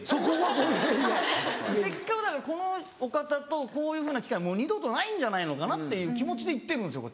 せっかくだからこのお方とこういうふうな機会もう二度とないんじゃないのかなっていう気持ちで行ってるんですよ